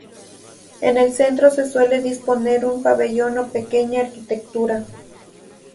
En el centro se suele disponer un pabellón o pequeña arquitectura.